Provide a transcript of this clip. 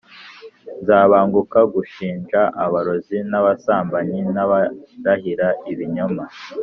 nzabanguka gushinja abarozi n’abasambanyi n’abarahira ibinyoma